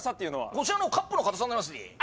こちらのカップの硬さになりますね。